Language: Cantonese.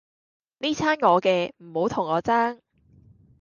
哩餐我嘅，唔好同我爭